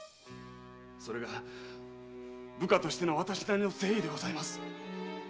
それが部下としての私なりの誠意でございます。